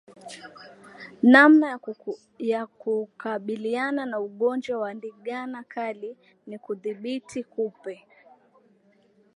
Namna ya kukabiliana na ugonjwa wa ndigana kali ni kudhibiti kupe